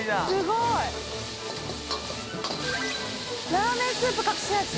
ラーメンスープ隠し味？